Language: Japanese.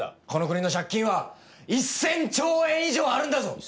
この国の借金は１０００兆円以上あるんだぞ！